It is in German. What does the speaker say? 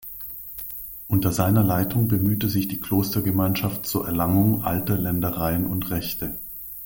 Unter seiner Leitung bemühte sich die Klostergemeinschaft zur Erlangung alter Ländereien und Rechte.